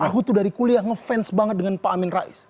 aku tuh dari kuliah ngefans banget dengan pak amin rais